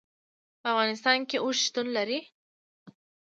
په افغانستان کې اوښ شتون لري.